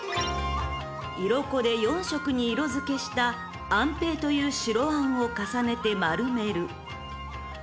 ［色粉で４色に色付けしたあんぺいという白あんを重ねて丸める］